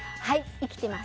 生きてます。